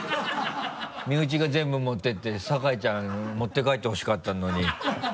身内が全部持っていって酒井ちゃん持って帰ってほしかったのに。